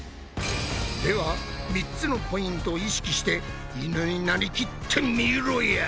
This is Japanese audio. では３つのポイントを意識してイヌになりきってみろや。